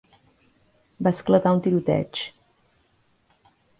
Va esclatar un tiroteig.